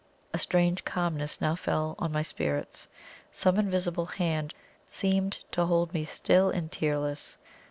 A strange calmness now fell on my spirits. Some invisible hand seemed to hold me still and tearless.